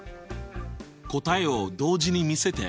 答えを同時に見せて！